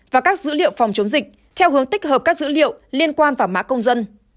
và các dữ liệu phòng chống dịch theo hướng tích hợp các dữ liệu liên quan vào mã công dân